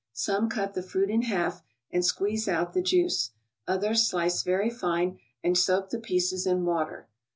Some cut the fruit in half and squeeze out the juice ; others slice very fine and soak the pieces in water.